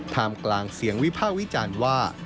มกลางเสียงวิพากษ์วิจารณ์ว่า